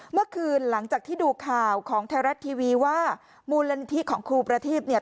เมื่อคืนหลังจากที่ดูข่าวของไทยรัฐทีวีว่ามูลนิธิของครูประทีพเนี่ย